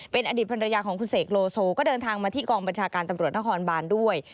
เป็นอดีตภรรยาของคุณเสกโลโซก็เดินทางมาที่กองบัญชาการตำรวจนครบานด้วย